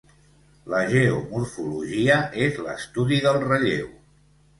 La geomorfologia és l'estudi del relleu.